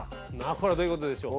これはどういうことでしょう？